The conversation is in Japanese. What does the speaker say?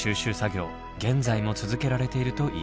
現在も続けられているといいます。